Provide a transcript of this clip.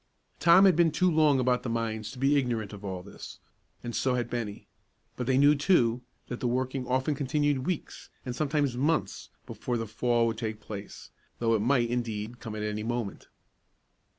Tom had been too long about the mines to be ignorant of all this, and so had Bennie; but they knew, too, that the working often continued weeks, and sometimes months, before the fall would take place, though it might, indeed, come at any moment.